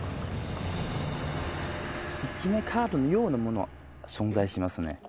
カードのようなもの存在しますね。